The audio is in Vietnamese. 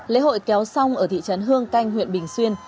lễ hội kéo song ở thị trấn hương canh huyện bình xuyên